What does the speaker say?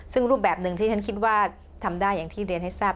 ซึ่งรูปแบบหนึ่งที่ฉันคิดว่าทำได้อย่างที่เรียนให้ทราบ